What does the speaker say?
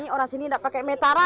ini orang sini enggak pakai metara